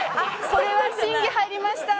これは審議入りました。